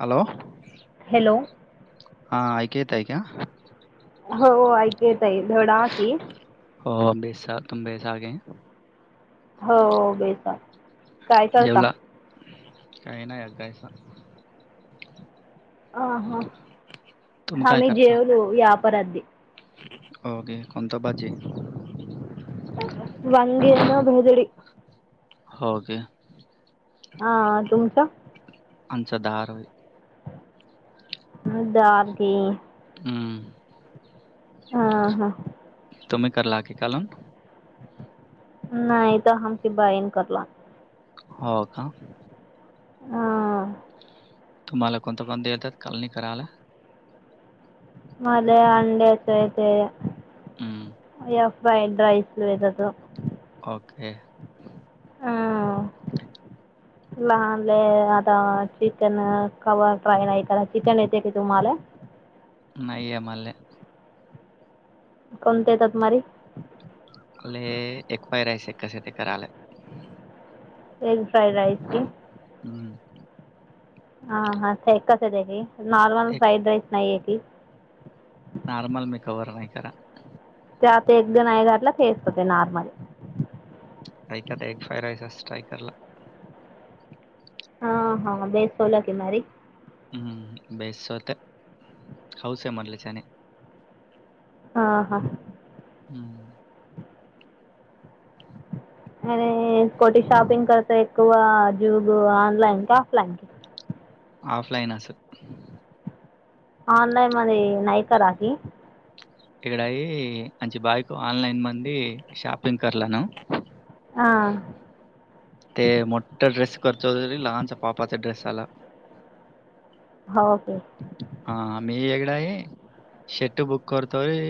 Hello, hello, हा ऐकी येतय क्या? हो ऐकू येतय. धड आव की, [unintelligible] [unintelligible] काय करता [unintelligible] [unintelligible] के कोणता पाजे वंगेन बदडी हो काे. हा तुमच. आंचा दधार आहे. दाग. हम. ह हा. तुम् कला क काल ना. नाही त हम सि बायन करलो. हो का. हा. तुम्हाला कोणता पण द येतात काल नाही करायला. मला अंडे येतो येत. हम्म. अ फ्रईंड रईस. ओके. हां [unintelligible] लहानले आता चिकन कवर ट्राय नाही क चिकन येते की तुम्हाला. नाहीई मलले कोणते येतात तुम्हाारी. आले एकवायरायस कस ते करायला. एग फ्राईड राईइस क हम्म हा हा कस आहेेत आहेी नॉर्मल एक फ्राईड राईस नाही आहे की नारमल मी कवर नाही करा.. ते आता एकदा नाही घातलं तेचत ते नॉर्मल ऐकाता एक फायरयस स्ट्रायकरला हा हा बेसोला किमारी हम्म बेस होत हौस आहे मरले छान हा हा. हम्म आणि कोटी शॉपिंग करतय क जूब ऑनलाईन कि ऑफलाईन कि आऑफलाईन अस असं- ऑनलाईन मध्ये नाही काखी. इकडही मची बायक आनलईन मंद षापिंग कररालान हां ते मोठा ड्रेस करतो होत लहानसा पापाचा ड्रेस आला. हा ओके. हा मी एककड आहे. शेट बुक करतवि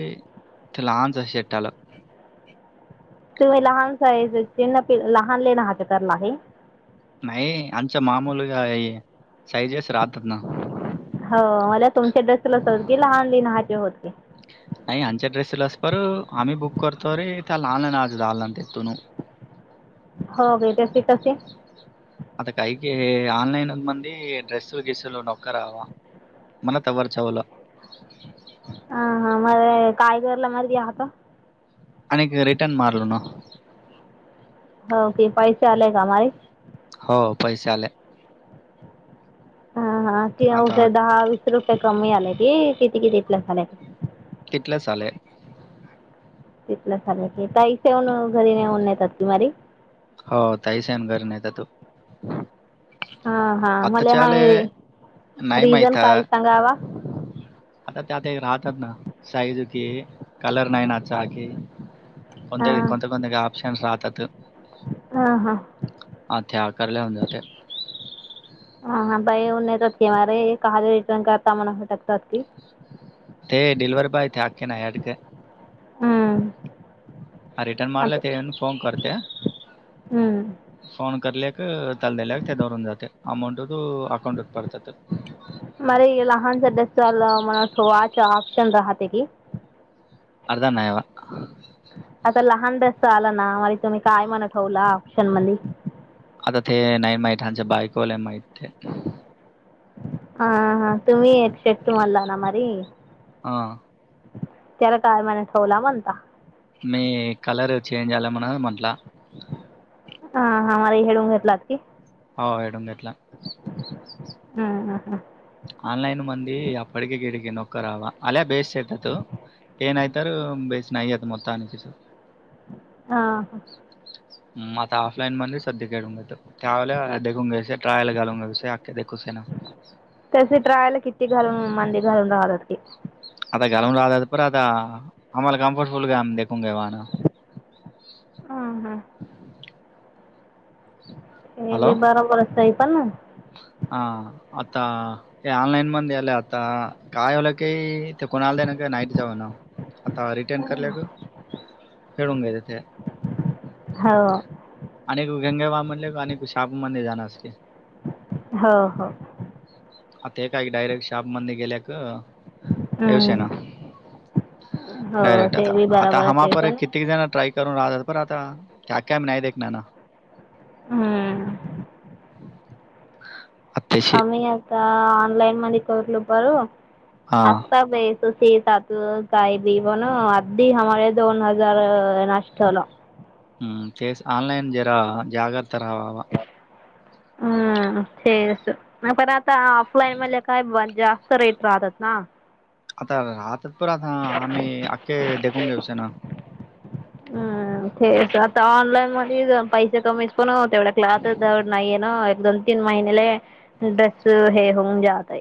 लाहानस शेट आला. तुम्ही लहान साईज चे लहान लेण हाच्या तरला आहे नाही अचा मामूली का सैजेस राहतात ना हो मला तुमच्या ड्रेसला सत की लहान लनहाची होती नाहीई आमच्या ड्रेस ल अस पर आम्ही बुक करतो रे त्याला ऑलाईन आ आऑलान तेेतोू हो वेेतसे तसे आता कैक आनलईन मंद ड्रेस ल गेसल नौका रावा मला तवार चावला ह हा मर काय करलं मर गेता आणि रिटर्न मारलो ना होक पैसे आलेय का म हो पैसे आले हा हा कष आता दहा वीस रुपये कमी आलेय की किती किती पल झाले कितल्या ले ति झालं ताश येऊन घरी नेऊन नेतात तुमारी हो तही स घर नाही तू हां हां मला हा अताच्याले नाहीय रिझन मायथ काय सांगावा आता त्यात राहतात ना साईज की कलर नाही नाचा की कोते हां कोंत कोते आप्शनस राहतात हा हा ह ते करल्या जा ते हा हा बाईऊ नाहीेतती मे का रिटर्न करता म्हणा फटकती ते डलवर्ह बाय तेथाके ना या अडक हम हा रिटर्न मारला ते फोन करते हम्म फोन करल्या क त्यालला दल्या ते दरून जाते अमाऊंट त अकाउंटत पडतात मर लहान सदसला मठ वाच आऑपशन राहत की अर्ध ना आहेवा आता लहान रस आला ना म तुम्ही काय म्हण ठेवला ऑप्शन मध आता ते नाही माहितच्या बायकोला माहित आहे हा हा तुम्ही एक शेट मारला ना मरी हा तला काय मने ठेवला म्हणता मी कलर चेंज आले म्हणा म्हंटला हा हा मला हेळूग घर ला की हो येडमटला हम्म हम् हम् आनलईन मंद अ पडकी किडकी नोका रावा अला बेस्टेटात हे नाही तर बेस नाही येत मत आणि किच हा ह ह आता ऑफलाईन मध्ये सध्या खूून घेत त्यावेळेला देू घे ट्राल घलून घा विय अखे देख तसे ट रायला किती घालून मांंद घालून राहत क आता गलम रातात पर आता आमला कमफर्टबुल गम देखोंगयवाण ह हां हे हॅलो, भी बारंबरचता पण ना हा आता ते ऑनलाईन मणलं आता काय होलं की ते कोणाला दे ना का नाईट जाव ना आता रिटर्न करल्या ग खेळून घ्या तथे हो अनेक गंगेबा म्हधले अनेक शाप म जाणार अस हो हो आता हे काय डायरेक्ट शाप म गेल्या क ववशय हम्म ना हो ायरेक्ट ते आता बी आता बरोबरच ह आहे पर पण किती जना ट्रा करून राहतात पर आता त्या कायम नाही दे ना ना हम आत्ताशी कमी आता ऑनलाईन मध्ये करलो बरं हा असता बेस त स तातू काय बी बण अधी हमारे दोन हजार नष्ट होला हम्म तेच आऑनलाईन जरा जाग्रत राहावावा हा ते अस पण आता ऑफलाईन [unintelligible] काय मजा. रेट राहतात ना आता राहतात प आता आम्ही अख्खे देखून घेऊस ना. [unintelligible] तेच आता ऑनलाईन मध्ये पैसे कमीच पण तेवढ्या क्लाथ जवळ नाहीये ना एकदम तीन महिनेले, ड्रेस हे होऊन जातय.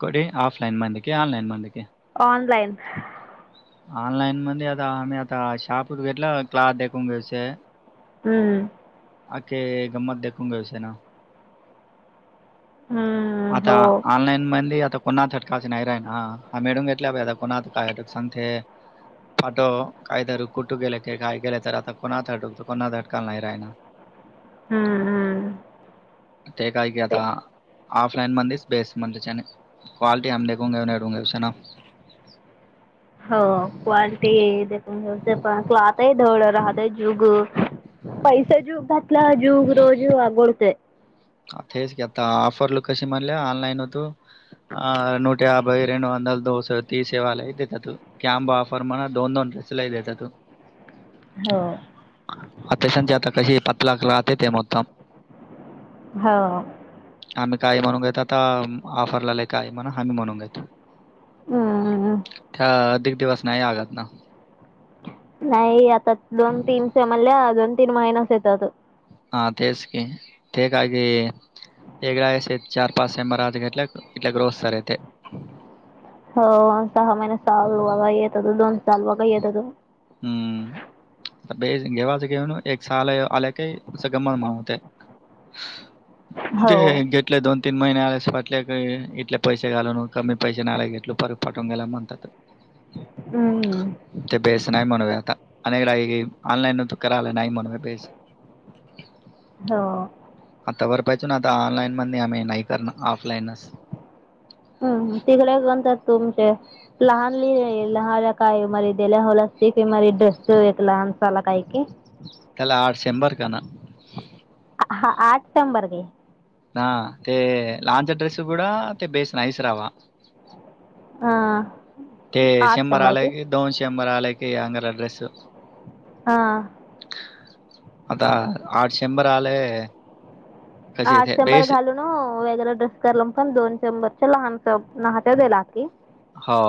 कडे ऑफलाइन मध्ये की ऑनलाइन मध्ये ते. ऑनलाईन. ऑनलाईन मध्ये आता आम्ही आता शॉप घेतला [unintelligible] हम्म. अके गमत देखूंग विसे ना. हा. आता ऑनलाईन मंदे आता [unintelligible] पाठो काहीतरी कुठू गेलं की काय गेलं तर आता कोणात अटूकत कोणात अटकाला नाही राहिना. [inaudible] हा. ते काय की आता. ऑफलाईन [unintelligible] हो क्वालटी देून घेऊ पण [unintelligible] पैसा जूग घातला जूग रोज आघडते. आ तेच की आता ऑफर [unintelligible] कशी म्हणले ऑनलाईन होतो. [unintelligible] [unintelligible] हो. [unintelligible] हाव. आम्ही काय म्हणून घेतो आता ऑफरलाले काय म्हणा आम्ही म्हणून घेतो. हम्म त्या अधिक दिवस नाही लागत ना. नाही आता दोन तीन समल्या दोन तीन महिनस येतात. हा तेच की, [unintelligible] [unintelligible] हो सहा महिने साल बघा येत दोन साल बघा येत तो. हम्म, बे घेवाच घेऊन एक [unintelligible] हो. [unintelligible] इतले दोन तीन महिने आलेटले का इतले पैसे घाल नू कमी पैसे ना घेतलो परत पाटवून गेला म्हणतात. हम्म. ते बेस नाही म्हणवे आता, अनेक ऑनलाईन त करायला नाही म्हणू बेस. [unintelligible] हो. आता बर पाहिजून आता ऑनलाईन मध्ये आम्ही नाही करणार ऑफलाईनच. हम्म तिकडे बणतात तुमचे. लहानली [unintelligible] [unintelligible] हा आठ नंबर घे. ह ते लांच ड्रेस क ते बेस नयस रावा. हा. ते आठ शंभर आलं के की दोन शंभर आले की अंगरअ ड्रेस. हां. आता आठ शंभर आलय. आ शंभर घालून. वेगर ड्रेस पण दोन चंबरच्या लहानत्याला की हो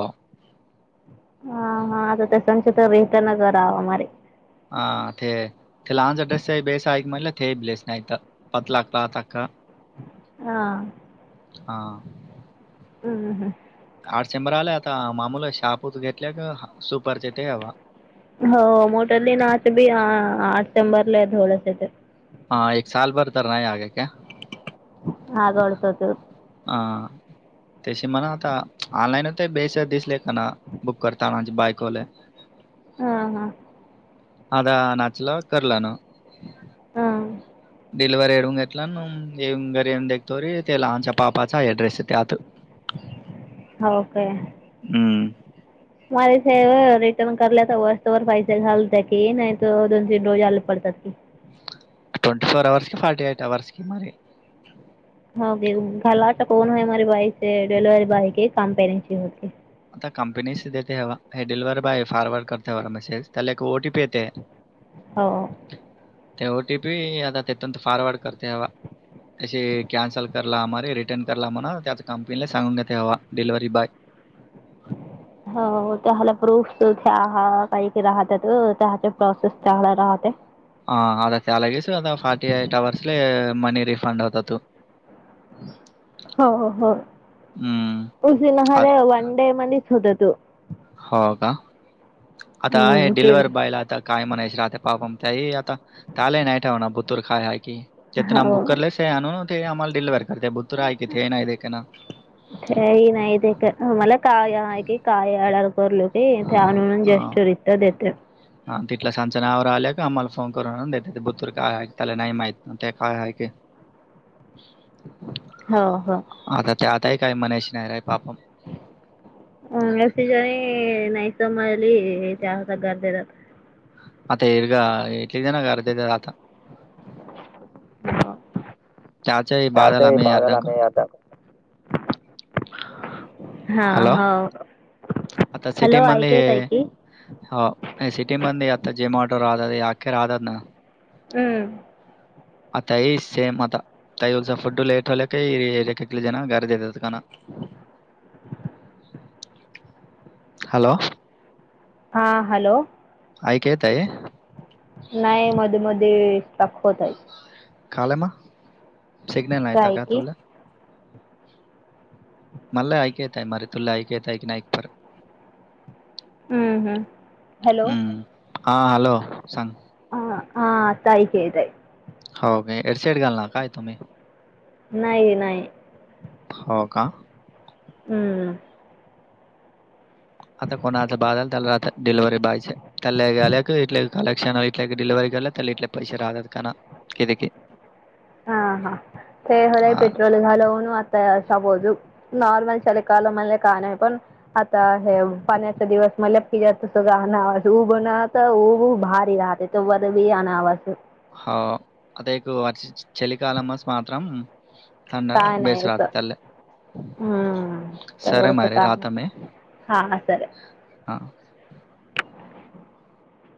हा हा आता ते संच तर वेहतर न करावमे हा ते ते लांांज ड्रेस बेसय मला त ते बलस नाहीय पत् लाक आताक हा हा हम् हम आठ शंभर आला आता मामूला शापत घेतल्या का सुपरचे ते हवा हो मोठ दिनच बी आठ शंबरला धोळस ते हा एक साल बरतर नाय आगाक हग वाडतत ह त्याशी म्हणा आता ऑनलाईनत बेस दिसले काना बुक करता बायकोले हा हां आता नाचला करला ना हा डिलव्ह येडवंग घेतला ना ये घरीन दगतोरी ते लहानच्या पापाचा अड्रेस य त्यात [unintelligible] ओ काे हम्म माझ स रिटर्न करल्या तर वस्तवरर पैसे घालत की नाही त दोन तीन रडोज आले पडतात की ट्वट फर अवर् क फार्ट एट अवर्स कि मरी होगे घाला वाता कोण आहे माारी बाॉयचे डिलिव्हरी बॉय के काम पेरेटची होते आता कंपनीच देते ह हे डिलिवर्ह बॉय फॉरवर्ड करते मेसेज त्याला एक ओटी पी येते [unintelligible] हो ते ओटी पी आता तेथून फॉरवर्ड करते ह असे कॅन्सल कला आमे रिटर्न करला म्हणा त्याच कंपनीला सांगून घेत ते हवा डिलिव्हरी बॉय हो त्या हला प्रूफ्या काही क राहत त्या प्रोसेस चांगला राहते ह आता तेलागीस आ फार्टी एट अवर्सले मनी रिफंड आतात हो हो हो उसिन आ- ह वन डे मध्येच होत तू हो का आता आहे हम्म डिलवर्ह ट्वेंटी बॉयला आता काय म्हणायच राहते पापम त्या आता त्यालाय नाही ठेवणार बतूर खाय हय की चेतनाम हो बुक करलेस ते आण ना ते आम्हाला दिल् वर करते बुतर आहे किथे नाही का ना ते नाही ते का मला काय आहे की काय अडर करलो ते त्यान म्हणून जेस् रित्या देते हा तिथला सांच ना आवर आल्या का आम्हाला फोन करून आणून देत ते बुतूर काय आहे त्याला नाही माहित नाही ते काय आहेय की [unintelligible] हो हो आता ते आताही काय मनायची नाही रय पाप हसि जणी नैसमली चहा तगगरतेत आता येरग एली देना गरत आता हो चचाच त्याचंही बादलाम बाधल याारदान आम्ही करत आता हां हॅलो हो आता हॅलो ऐकत आहे सिटीमध्येध्ये की होा सिटी मंद आता जेमॉटोर राहात आखे राहतात ना हम्म आताई सेम आता तईचा फुड लेट होल्या काही कले जण घर देतात का हॅलो हां हॅलो ऐकयताय नाही मध्ये मध्ये स्टक होत आहे काले मा सघनल नाहीयता काय तुला मला ऐकताय म तुले ऐकयताय क नाहीयकर ह हॅलो हा हॅलो सांग ह हा ताय काय तय हो का एडशड घालणार काय तुम्ही नाही नाही हो का हम्म आता कोणा बाज झालला आता डिवररी बायचे त्याल्ला गेले क इ कलेक्शन डिलिवररी केले इ पैसे रा आत काना के क हा हा ते होलाय हां, पेट्रोल झालवून आता अस बोज नॉर्मल चल काल म्हणे का नाही पण आता हे पाण्याचा दिवस म्ह पिजाच सगळं उब ना तर उऊब भारी राहते तवद बी यान आवास हो अता एक अ चली काल मस मातम थंडा बेस राहते ल्ले हम्मच का हा सर हां